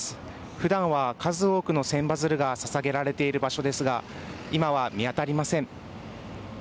普段は数多くの千羽鶴が捧げられている場所ですが今は見当たりません。